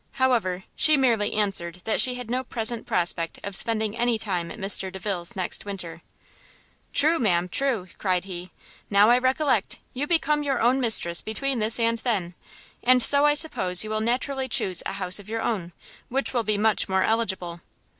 However, she merely answered that she had no present prospect of spending any time at Mr. Delvile's next winter. "True, ma'am, true," cried he, "now I recollect, you become your own mistress between this and then; and so I suppose you will naturally chuse a house of your own, which will be much more eligible."